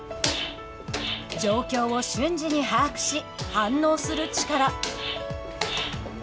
状況を瞬時に把握し反応する力。